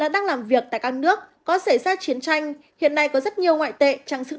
đang làm việc tại các nước có xảy ra chiến tranh hiện nay có rất nhiều ngoại tệ trang sức